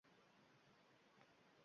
ʙepulga Tiʙʙij xizmatlar jaqinlaşadi